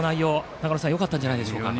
長野さんよかったんじゃないですか。